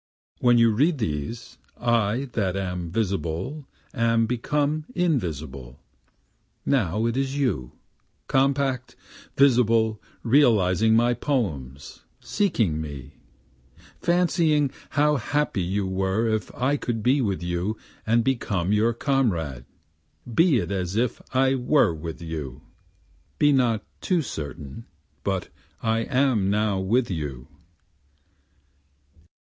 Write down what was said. When you read these I that was visible am become invisible, Now it is you, compact, visible, realizing my poems, seeking me, Fancying how happy you were if I could be with you and become your comrade; Be it as if I were with you. (Be not too certain but I am now with you.)